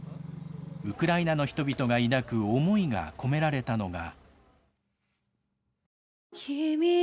ウクライナの人々が抱く思いが込められたのが。